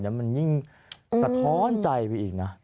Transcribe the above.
มันยิ่งสะท้อนใจไปอีกนะ